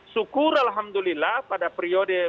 syukur alhamdulillah pada periode